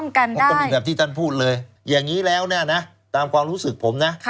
ก็เป็นแบบที่ท่านพูดเลยอย่างนี้แล้วเนี่ยนะตามความรู้สึกผมนะ